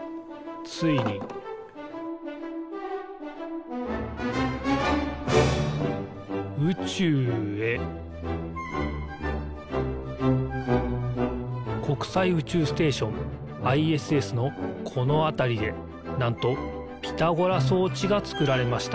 ついに宇宙へ国際宇宙ステーションＩＳＳのこのあたりでなんとピタゴラそうちがつくられました。